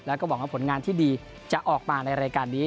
แล้วก็หวังว่าผลงานที่ดีจะออกมาในรายการนี้